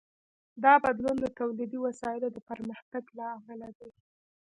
دا بدلون د تولیدي وسایلو د پرمختګ له امله دی.